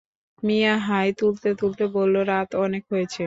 মিয়া হাই তুলতে-তুলতে বলল, রাত অনেক হয়েছে।